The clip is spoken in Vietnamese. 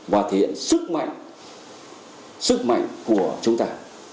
và thể hiện sức mạnh sức mạnh của chúng ta